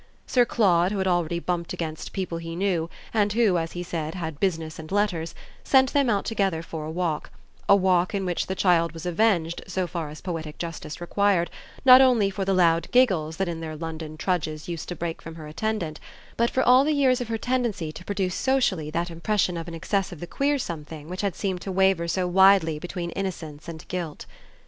Sir Claude, who had already bumped against people he knew and who, as he said, had business and letters, sent them out together for a walk, a walk in which the child was avenged, so far as poetic justice required, not only for the loud giggles that in their London trudges used to break from her attendant, but for all the years of her tendency to produce socially that impression of an excess of the queer something which had seemed to waver so widely between innocence and guilt.